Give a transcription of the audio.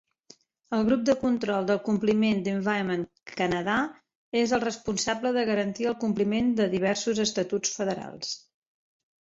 El grup de control del compliment d'Environment Canada és el responsable de garantir el compliment de diversos estatuts federals.